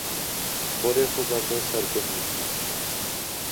Porê xwa berda ser guhên xwe.